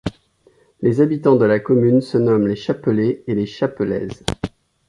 Les habitants de la commune se nomment les Chapelais et les Chapelaises.